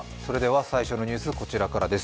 最初のニュース、こちらからです。